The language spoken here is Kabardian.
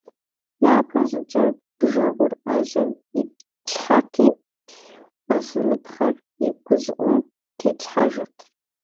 ЯпэщӀыкӀэ бжэгъур Ӏэжьэм итлъхьэрти, гъэсыныпхъэр и гущӀыӀум тетлъхьэжырт.